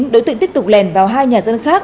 đối tượng tiếp tục lèn vào hai nhà dân khác